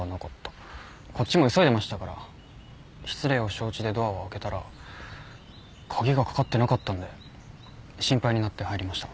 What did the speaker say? こっちも急いでましたから失礼を承知でドアを開けたら鍵がかかってなかったんで心配になって入りました。